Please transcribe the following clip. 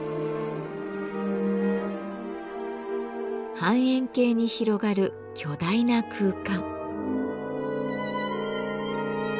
半円形に広がる巨大な空間。